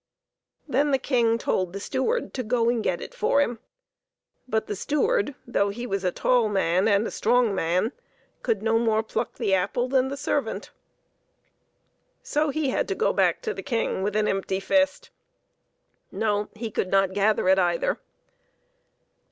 Then the King told the steward to go and get it for him ; but the steward, though he was a tall man and a strong man, could no more pluck the apple than the servant. So he had to go back to the King with an empty fist. No ; he could not gather it either.